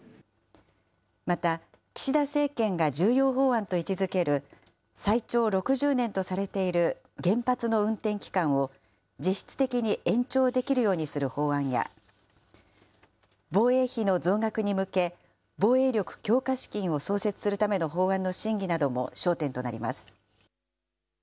また、岸田政権が重要法案と位置づける、最長６０年とされている原発の運転期間を実質的に延長できるようにする法案や、防衛費の増額に向け、防衛力強化資金を創設するための法案の審議なども焦点となります。